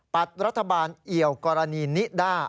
รัฐบาลเอี่ยวกรณีนิด้า